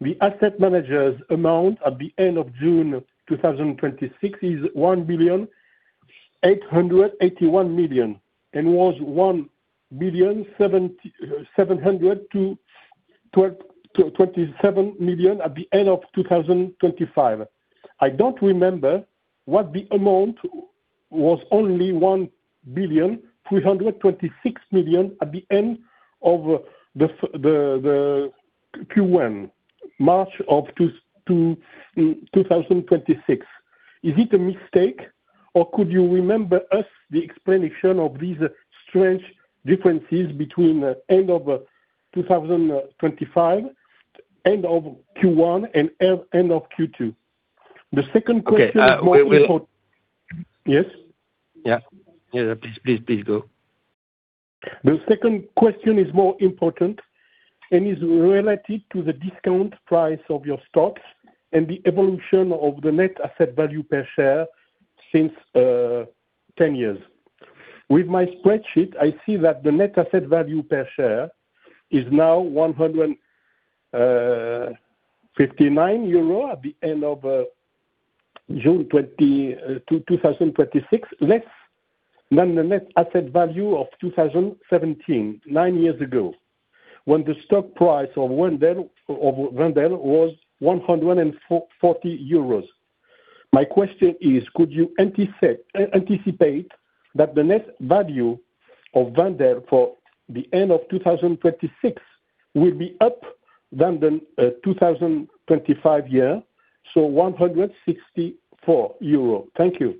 the asset managers amount at the end of June 2026 is 1,881 million, and was 1,727 million at the end of 2025. I don't remember what the amount was only 1,326 million at the end of the Q1, March of 2026. Is it a mistake? Could you remember us the explanation of these strange differences between end of 2025, end of Q1, and end of Q2? The second question- Okay. We will- Yes? Yeah. Please go. The second question is more important, is related to the discount price of your stocks and the evolution of the net asset value per share since ten years. With my spreadsheet, I see that the net asset value per share is now 159 euro at the end of June 2026, less than the net asset value of 2017, nine years ago, when the stock price of Wendel was 140 euros. My question is, could you anticipate that the net value of Wendel for the end of 2026 will be up than the 2025 year, so 164 euro? Thank you.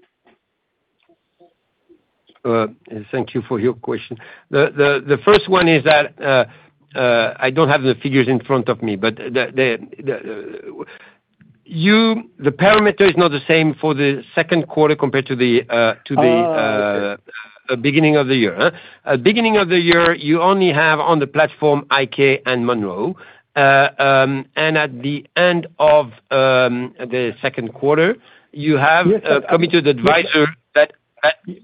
Thank you for your question. The first one is that I don't have the figures in front of me, but the parameter is not the same for the second quarter compared to the- Oh, okay ...beginning of the year. At beginning of the year, you only have on the platform IK and Monroe. At the end of the second quarter, you have. Yes a Committed Advisors that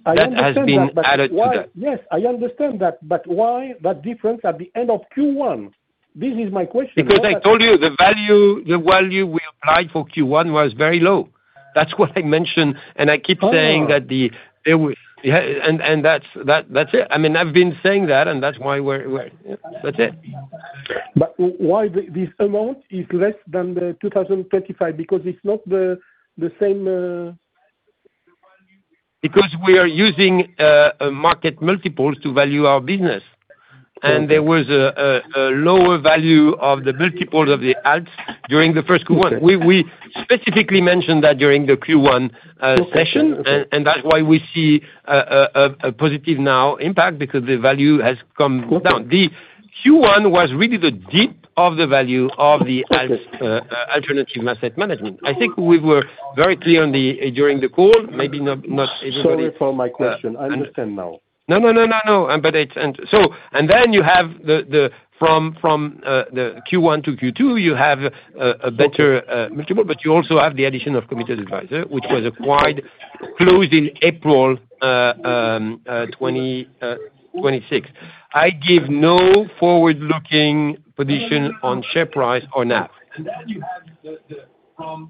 has been added to that. Yes, I understand that, why that difference at the end of Q1? This is my question. I told you, the value we applied for Q1 was very low. That's what I mentioned, and I keep saying that the. That's it. I've been saying that. That's it. Why this amount is less than the 2025? It's not the same. We are using market multiples to value our business. Okay. There was a lower value of the multiples of the alts during the first Q1. Okay. We specifically mentioned that during the Q1 session. Okay. That's why we see a positive now impact, because the value has come down. The Q1 was really the dip of the value of the- Okay ...alternative asset management. I think we were very clear during the call, maybe not everybody Sorry for my question. I understand now. From the Q1 to Q2, you have a better multiple, but you also have the addition of Committed Advisor, which was acquired, closed in April 2026. I give no forward-looking position on share price or NAV.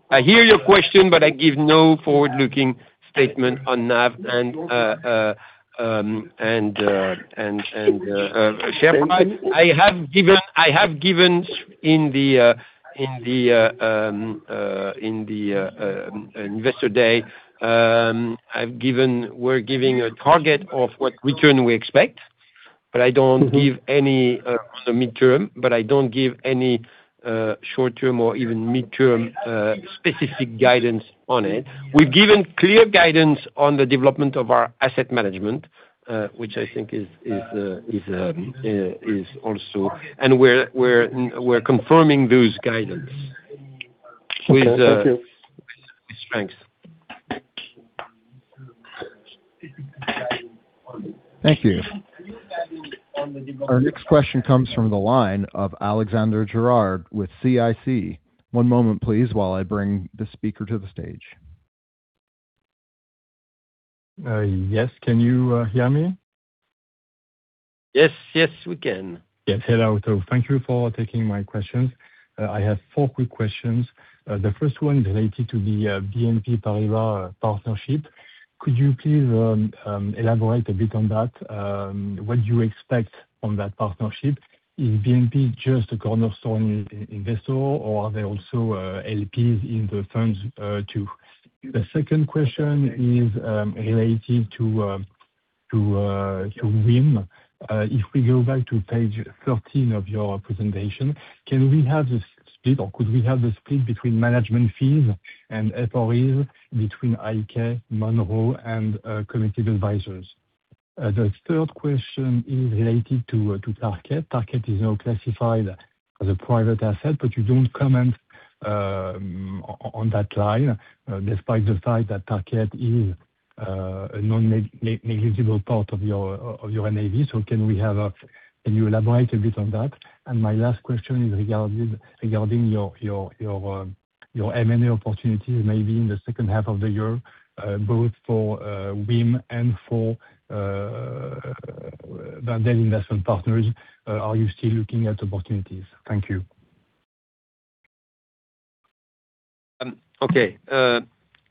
I hear your question. I give no forward-looking statement on NAV and share price. I have given in the Investor Day, we're giving a target of what return we expect, but I don't give any short-term or even midterm specific guidance on it. We've given clear guidance on the development of our asset management, which I think is also. We're confirming those guidance. Okay. Thank you. Thanks. Thank you. Our next question comes from the line of Alexandre Gérard with CIC. One moment please, while I bring the speaker to the stage. Yes. Can you hear me? Yes, we can. Yes. Hello. Thank you for taking my questions. I have four quick questions. The first one related to the BNP Paribas partnership. Could you please elaborate a bit on that? What do you expect on that partnership? Is BNP just a cornerstone investor or are they also LPs in the firms too? The second question is related to WIM. If we go back to page 13 of your presentation, can we have the split, or could we have the split between management fees and FRE between IK, Monroe, and Committed Advisors? The third question is related to Tarkett. Tarkett is now classified as a private asset, but you don't comment on that line, despite the fact that Tarkett is a non-negligible part of your NAV. Can you elaborate a bit on that? My last question is regarding your M&A opportunities, maybe in the second half of the year, both for WIM and for Wendel Investment Partners. Are you still looking at opportunities? Thank you. Okay.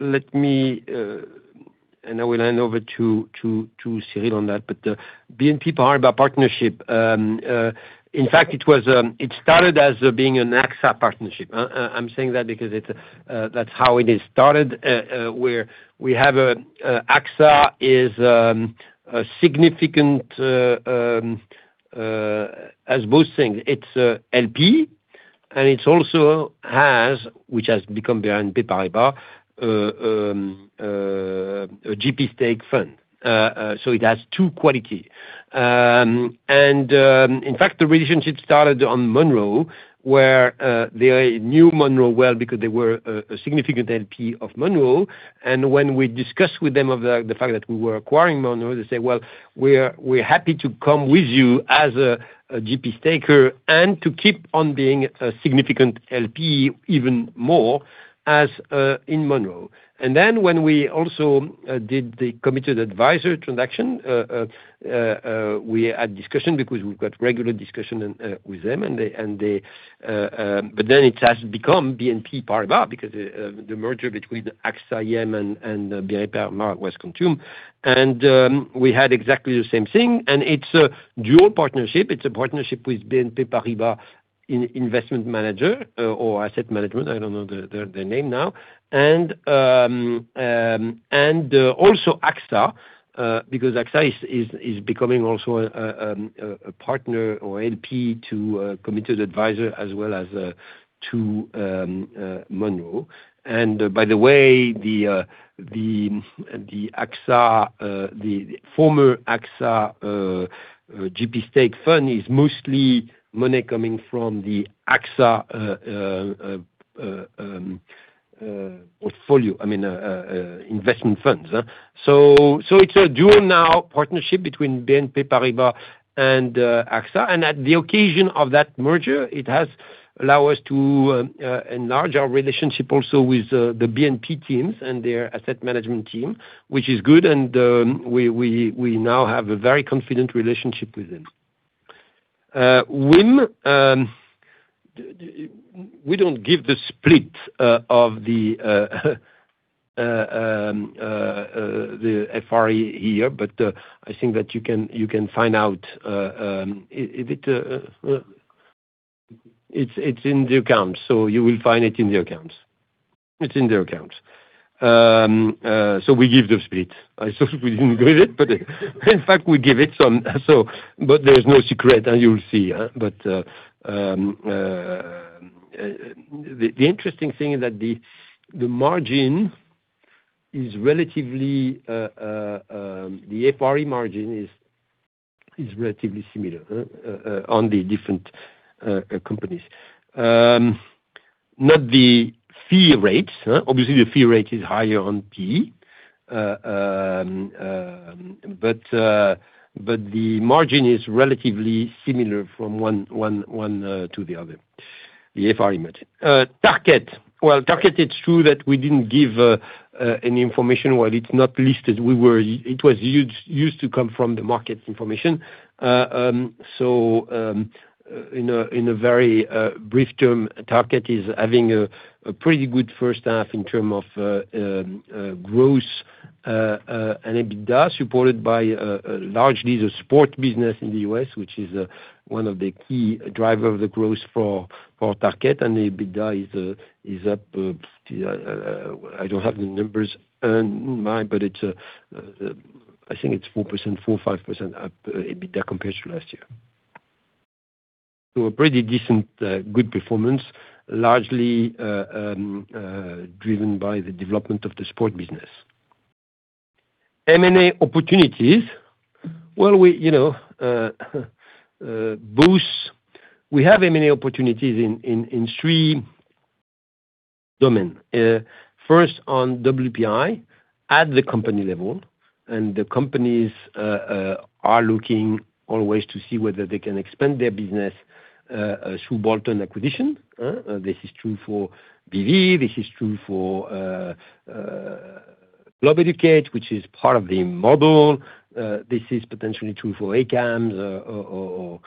Let me, I will hand over to Cyril on that. The BNP Paribas partnership. In fact, it started as being an AXA partnership. I'm saying that because that's how it started. AXA is significant, as both things. It's an LP. It also has, which has become BNP Paribas, a GP stake fund. It has two qualities. In fact, the relationship started on Monroe, where they knew Monroe well because they were a significant LP of Monroe. When we discussed with them the fact that we were acquiring Monroe, they said, "Well, we're happy to come with you as a GP staker and to keep on being a significant LP even more as in Monroe." When we also did the Committed Advisors transaction, we had discussions because we've got regular discussions with them. It has become BNP Paribas because the merger between AXA IM and BNP Paribas was consumed. We had exactly the same thing. It's a dual partnership. It's a partnership with BNP Paribas Asset Management, I don't know their name now. Also AXA, because AXA is becoming also a partner or LP to Committed Advisors as well as to Monroe. The former AXA GP stake fund is mostly money coming from the AXA portfolio, I mean, investment funds. It's a dual now partnership between BNP Paribas and AXA. At the occasion of that merger, it has allowed us to enlarge our relationship also with the BNP teams and their asset management team, which is good, and we now have a very confident relationship with them. WIM, we don't give the split of the FRE here. I think that you can find out. It's in the accounts. You will find it in the accounts. It's in the accounts. We give the split. I thought we didn't give it. In fact, we give it. There's no secret, and you will see. The interesting thing is that the FRE margin is relatively similar on the different companies. Not the fee rates. Obviously, the fee rate is higher on P. The margin is relatively similar from one to the other, the FRE margin. Tarkett. Tarkett, it's true that we didn't give any information while it's not listed. It used to come from the market information. In a very brief term, Tarkett is having a pretty good first half in terms of growth and EBITDA, supported largely by the sport business in the U.S., which is one of the key drivers of the growth for Tarkett. The EBITDA is up. I don't have the numbers in mind. I think it's 4%, 5% up EBITDA compared to last year. A pretty decent good performance, largely driven by the development of the sport business. M&A opportunities. We have M&A opportunities in three domains. First, on WPI, at the company level. The companies are looking always to see whether they can expand their business through bolt-on acquisition. This is true for Bureau Veritas, this is true for Globeducate, which is part of the model. This is potentially true for ACAMS or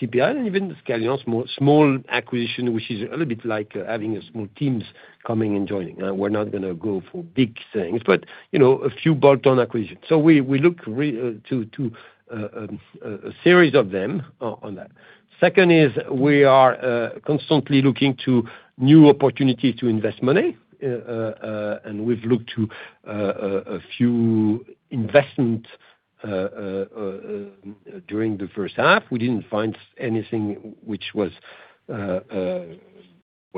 CPI, and even Scalian, a small acquisition, which is a little bit like having small teams coming and joining. We are not going to go for big things, but a few bolt-on acquisitions. We look to a series of them on that. Second is we are constantly looking to new opportunities to invest money, and we have looked to a few investments during the first half. We did not find anything which was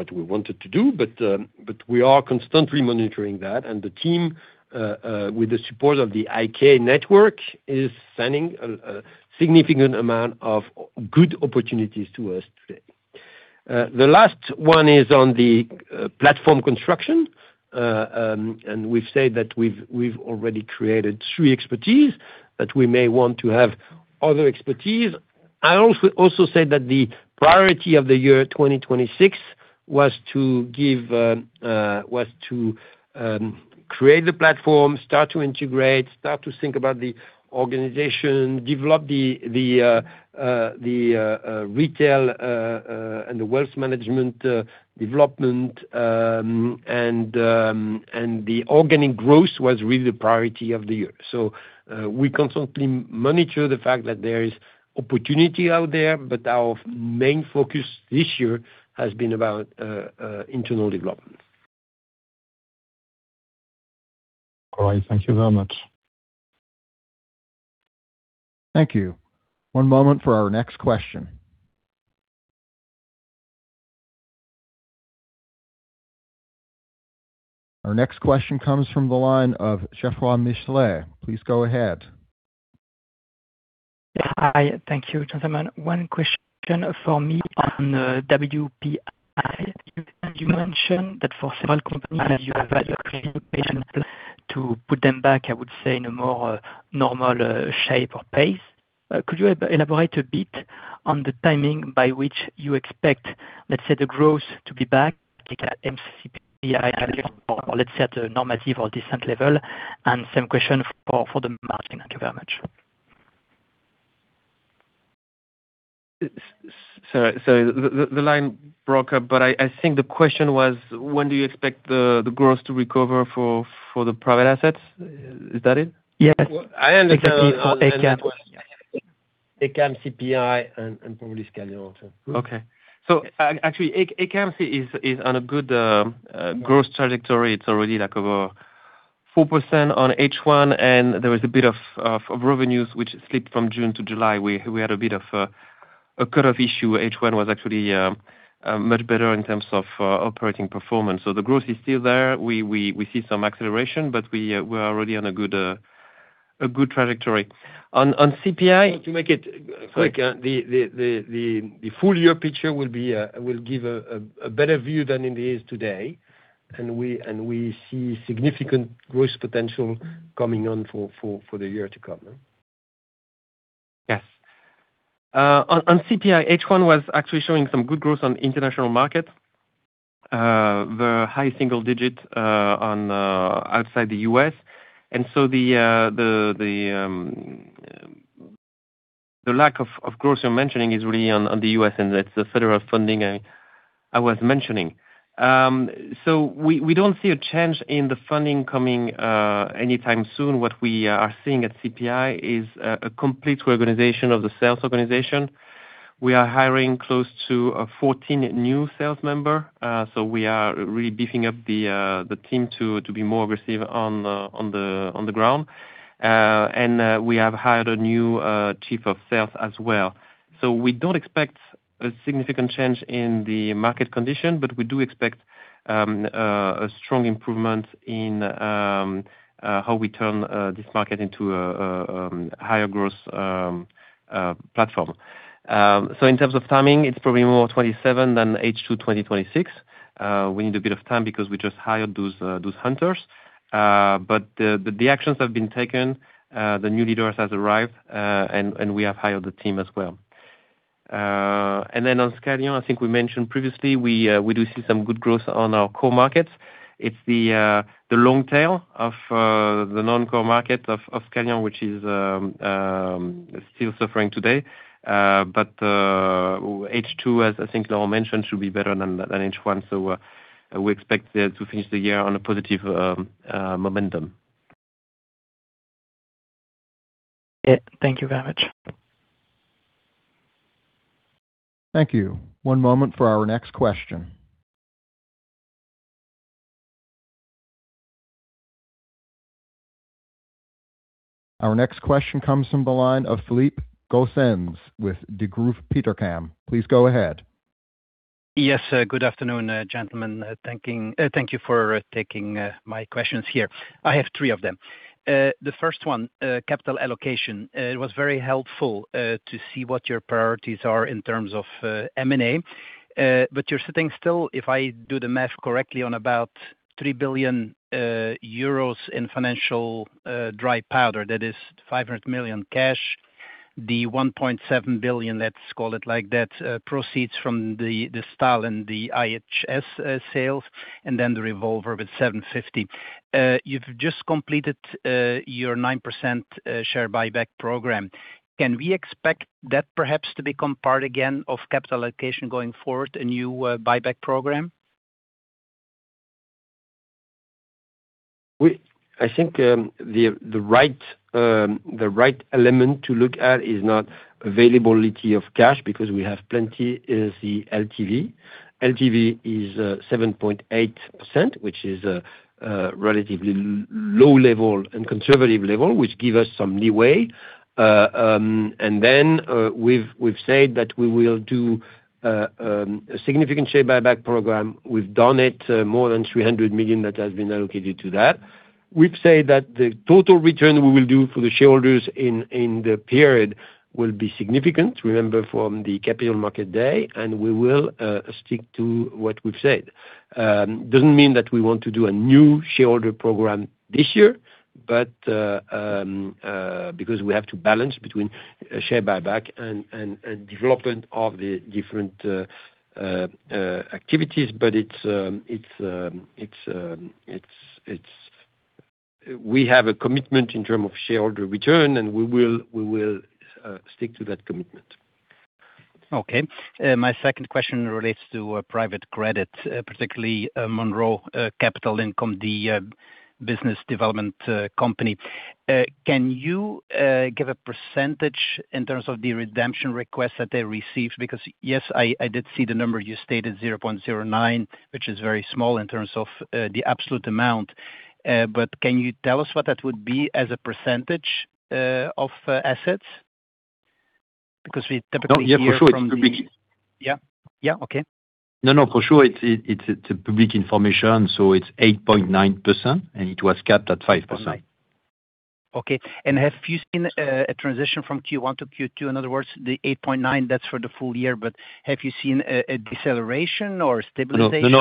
what we wanted to do, but we are constantly monitoring that. The team, with the support of the IK network, is sending a significant amount of good opportunities to us today. The last one is on the platform construction, and we have said that we have already created three expertise, that we may want to have other expertise. I also said that the priority of the year 2026 was to create the platform, start to integrate, start to think about the organization, develop the retail and the wealth management development, and the organic growth was really the priority of the year. We constantly monitor the fact that there is opportunity out there, but our main focus this year has been about internal development. All right. Thank you very much. Thank you. One moment for our next question. Our next question comes from the line of Geoffroy Michalet. Please go ahead. Hi. Thank you, gentlemen. One question for me on the WPI. You mentioned that for several companies you have had to put them back, I would say, in a more normal shape or pace. Could you elaborate a bit on the timing by which you expect, let's say, the growth to be back, like at ACAMS, or let's say at a normative or decent level? Same question for the margin. Thank you very much. Sorry, the line broke up. I think the question was, when do you expect the growth to recover for the private assets? Is that it? Yes. Exactly, for ACAMS. ACAMS, CPI, probably Scalian, too. Okay. Actually, ACAMS is on a good growth trajectory. It's already like over 4% on H1. There was a bit of revenues which slipped from June to July. We had a bit of a cut-off issue. H1 was actually much better in terms of operating performance. The growth is still there. We see some acceleration. We are already on a good trajectory. On CPI, to make it quick, the full year picture will give a better view than it is today. We see significant growth potential coming on for the year to come. Yes. On CPI, H1 was actually showing some good growth on international market. The high single digit outside the U.S., and so the lack of growth you're mentioning is really on the U.S., and that's the federal funding I was mentioning. We don't see a change in the funding coming anytime soon. What we are seeing at CPI is a complete reorganization of the sales organization. We are hiring close to 14 new sales member. We are really beefing up the team to be more aggressive on the ground. We have hired a new Chief of Sales as well. We don't expect a significant change in the market condition, but we do expect a strong improvement in how we turn this market into a higher growth platform. In terms of timing, it's probably more 2027 than H2 2026. We need a bit of time because we just hired those hunters. The actions have been taken. The new leaders have arrived, and we have hired a team as well. And then on Scalian, I think we mentioned previously, we do see some good growth on our core markets. It's the long tail of the non-core market of Scalian, which is still suffering today. H2, as I think Laurent mentioned, should be better than H1. We expect to finish the year on a positive momentum. Thank you very much. Thank you. One moment for our next question. Our next question comes from the line of Filippe Goossens with Degroof Petercam. Please go ahead. Yes. Good afternoon, gentlemen. Thank you for taking my questions here. I have three of them. The first one, capital allocation. It was very helpful to see what your priorities are in terms of M&A. You're sitting still, if I do the math correctly, on about 3 billion euros in financial dry powder. That is 500 million cash, the 1.7 billion, let's call it like that, proceeds from the Stahl and the IHS sales, and then the revolver with 750 million. You've just completed your 9% share buyback program. Can we expect that perhaps to become part again of capital allocation going forward, a new buyback program? I think the right element to look at is not availability of cash, because we have plenty, is the LTV. LTV is 7.8%, which is a relatively low level and conservative level, which give us some leeway. We've said that we will do a significant share buyback program. We've done it, more than 300 million that has been allocated to that. We've said that the total return we will do for the shareholders in the period will be significant, remember from the capital market day. We will stick to what we've said. Doesn't mean that we want to do a new shareholder program this year, because we have to balance between share buyback and development of the different activities. We have a commitment in term of shareholder return, and we will stick to that commitment. Okay. My second question relates to private credit, particularly Monroe Capital Income, the Business Development Company. Can you give a percentage in terms of the redemption request that they received? Yes, I did see the number you stated, 0.09%, which is very small in terms of the absolute amount. Can you tell us what that would be as a percentage of assets? We typically hear from the- No, for sure it's public. Yeah, okay. No, for sure, it's public information, it's 8.9%, it was capped at 5%. Okay. Have you seen a transition from Q1 to Q2? In other words, the 8.9%, that's for the full year, have you seen a deceleration or stabilization.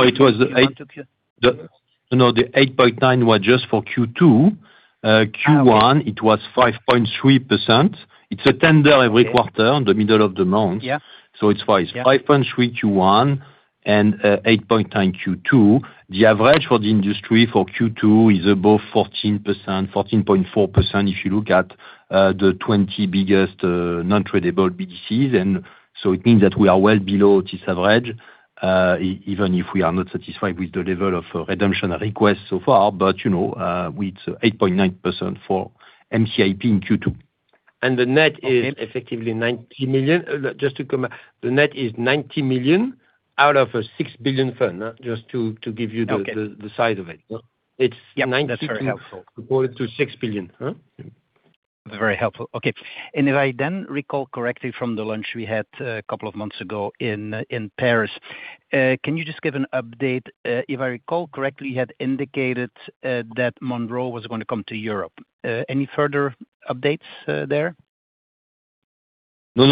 No, the 8.9% was just for Q2. Q1, it was 5.3%. It's a tender every quarter in the middle of the month. Yeah. It's 5.3% Q1 and 8.9% Q2. The average for the industry for Q2 is above 14%, 14.4% if you look at the 20 biggest non-tradable BDCs. It means that we are well below this average, even if we are not satisfied with the level of redemption requests so far. It's 8.9% for MCIP in Q2. The net is effectively 90 million. Just to come back, the net is 90 million out of a 6 billion fund, just to give you the size of it. Okay. It's $90 million Yeah, that's very helpful Out of 6 billion. Very helpful. Okay. If I then recall correctly from the lunch we had a couple of months ago in Paris, can you just give an update? If I recall correctly, you had indicated that Monroe was going to come to Europe. Any further updates there? No.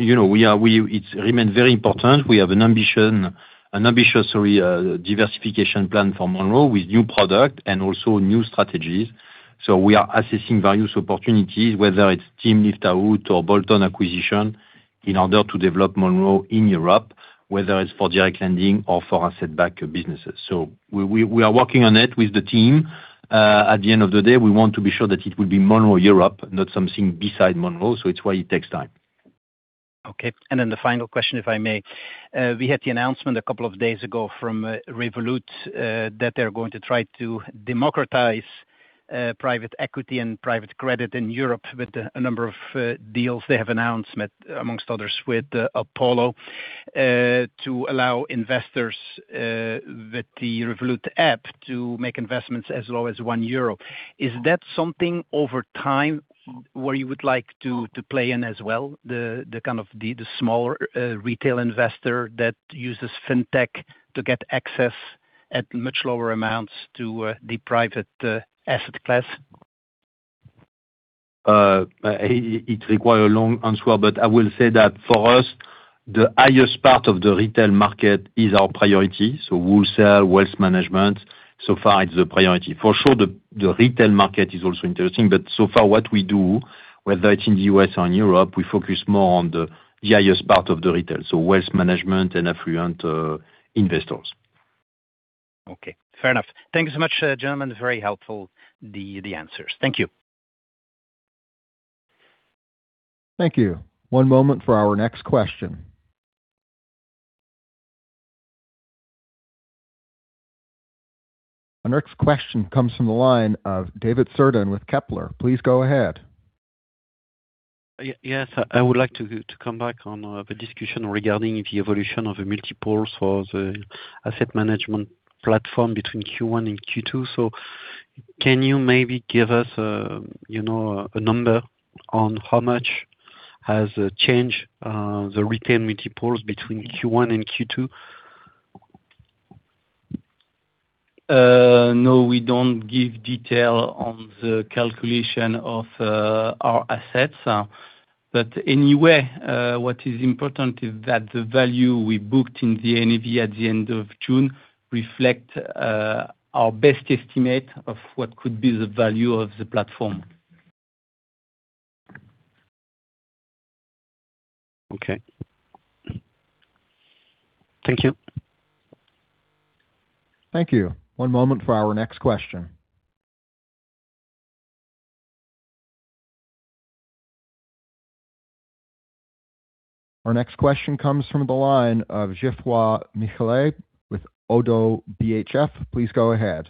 It remains very important. We have an ambitious diversification plan for Monroe with new product and also new strategies. We are assessing various opportunities, whether it's team lift-out or Bolton acquisition in order to develop Monroe in Europe, whether it's for direct lending or for our secondary businesses. We are working on it with the team. At the end of the day, we want to be sure that it will be Monroe Europe, not something beside Monroe. It's why it takes time. Okay. The final question, if I may. We had the announcement a couple of days ago from Revolut that they're going to try to democratize private equity and private credit in Europe with a number of deals they have announced amongst others with Apollo, to allow investors with the Revolut app to make investments as low as 1 euro. Is that something over time where you would like to play in as well, the kind of the smaller retail investor that uses fintech to get access at much lower amounts to the private asset class? It requires a long answer, I will say that for us, the highest part of the retail market is our priority. Wholesale wealth management, so far it's the priority. For sure, the retail market is also interesting, so far what we do, whether it's in the U.S. or in Europe, we focus more on the highest part of the retail, wealth management and affluent investors. Okay. Fair enough. Thank you so much, gentlemen. Very helpful, the answers. Thank you. Thank you. One moment for our next question. Our next question comes from the line of David Cerdan with Kepler. Please go ahead. Yes. I would like to come back on the discussion regarding the evolution of the multiples for the asset management platform between Q1 and Q2. Can you maybe give us a number on how much has changed the retail multiples between Q1 and Q2? No, we don't give detail on the calculation of our assets. Anyway, what is important is that the value we booked in the NAV at the end of June reflects our best estimate of what could be the value of the platform. Okay. Thank you. Thank you. One moment for our next question. Our next question comes from the line of Geoffroy Michalet with ODDO BHF. Please go ahead.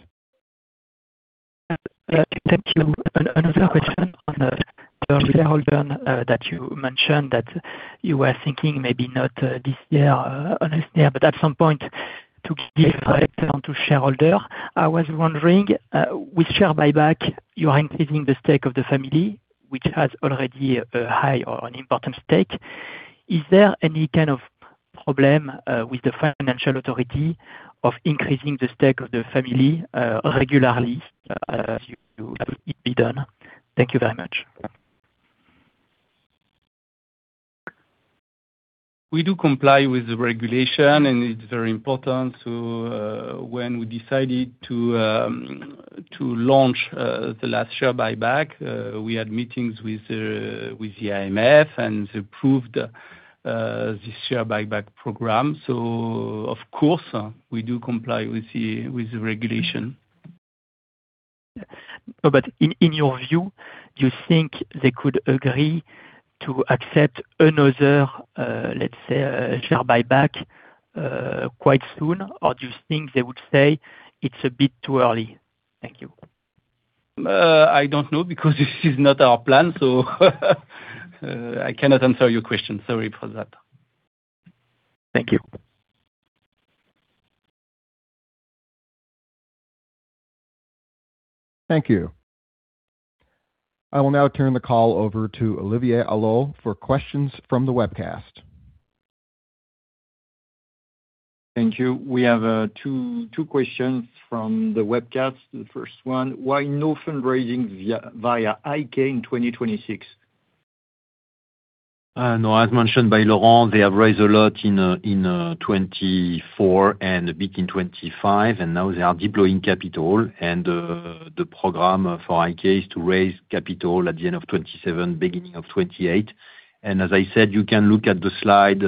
Thank you. Another question on the shareholder that you mentioned that you were thinking maybe not this year, but at some point to give back onto shareholder. I was wondering, with share buyback, you are increasing the stake of the family, which has already a high or an important stake. Is there any kind of problem with the financial authority of increasing the stake of the family regularly as you have it be done? Thank you very much. We do comply with the regulation. It's very important. When we decided to launch the last share buyback, we had meetings with the AMF. They approved the share buyback program. Of course, we do comply with the regulation. In your view, do you think they could agree to accept another, let's say, a share buyback quite soon, or do you think they would say it's a bit too early? Thank you. I don't know because this is not our plan. I cannot answer your question. Sorry for that. Thank you. Thank you. I will now turn the call over to Olivier Allot for questions from the webcast. Thank you. We have two questions from the webcast. The first one, why no fundraising via IK in 2026? As mentioned by Laurent, they have raised a lot in 2024 and a bit in 2025. Now they are deploying capital and the program for IK is to raise capital at the end of 2027, beginning of 2028. As I said, you can look at the slide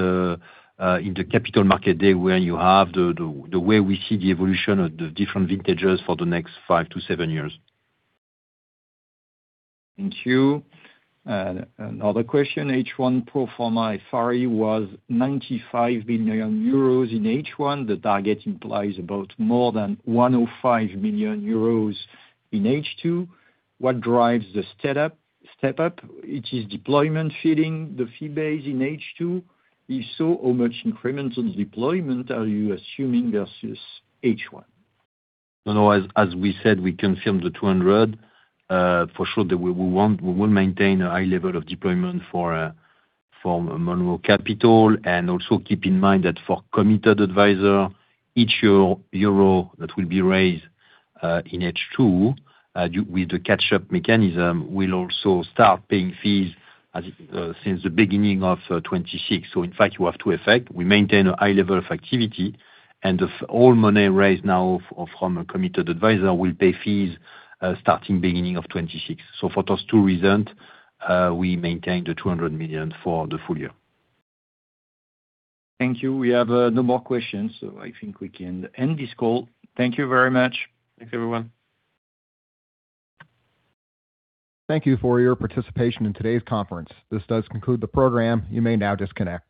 in the capital market deck where you have the way we see the evolution of the different vintages for the next five to seven years. Thank you. Another question, H1 pro forma FRE was 95 million euros in H1. The target implies about more than 105 million euros in H2. What drives the step up? It is deployment feeding the fee base in H2? If so, how much incremental deployment are you assuming versus H1? As we said, we confirmed the 200 million. For sure that we will maintain a high level of deployment for Monroe Capital. Also keep in mind that for Committed Advisors, each euro that will be raised in H2 with the catch-up mechanism will also start paying fees since the beginning of 2026. In fact, you have two effects. We maintain a high level of activity and all money raised now from Committed Advisors will pay fees starting beginning of 2026. For those two reasons, we maintain the 200 million for the full year. Thank you. We have no more questions, I think we can end this call. Thank you very much. Thanks, everyone. Thank you for your participation in today's conference. This does conclude the program. You may now disconnect.